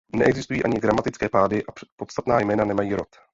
Neexistují ani gramatické pády a podstatná jména nemají rod.